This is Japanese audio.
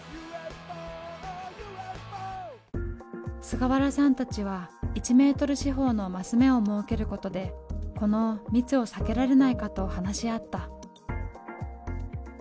菅原さんたちは１ｍ四方のマス目を設けることでこの密を避けられないかと話し合った。